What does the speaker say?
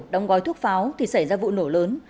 đóng gói thuốc pháo thì xảy ra vụ nổ lớn